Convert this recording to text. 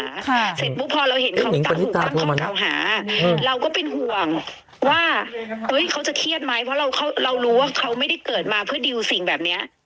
เสร็จปุ๊บพอเราเห็นเขาถูกตั้งข้อเก่าหาเราก็เป็นห่วงว่าเฮ้ยเขาจะเครียดไหมเพราะเราเขาเรารู้ว่าเขาไม่ได้เกิดมาเพื่อดิวสิ่งแบบเนี้ย